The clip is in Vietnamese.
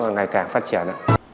ngày càng phát triển